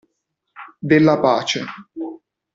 Della pace.